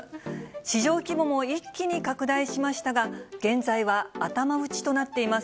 市場規模も一気に拡大しましたが、現在は頭打ちとなっています。